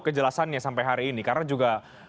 kejelasannya sampai hari ini karena juga